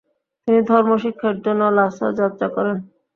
তিনি ধর্মশিক্ষার জন্য লাসা যাত্রা করেন।